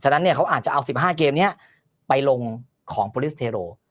นั้นเขาอาจจะเอา๑๕เกมนี้ไปลงของโปรลิสเทโร